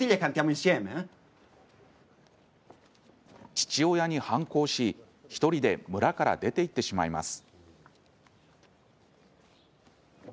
父親に反抗し、１人で村から出て行ってしまいます。